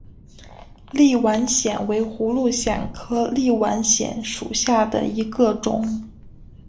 立碗藓为葫芦藓科立碗藓属下的一个种。